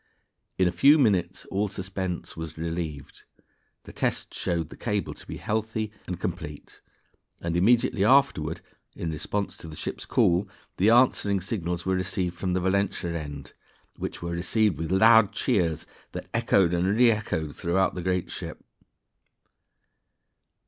In a few minutes all suspense was relieved, the tests showed the cable to be healthy and complete, and immediately afterward (in response to the ship's call) the answering signals were received from the Valentia end, which were received with loud cheers that echoed and reechoed throughout the great ship.